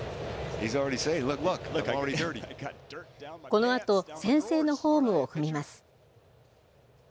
このあと、先制のホームを踏みます。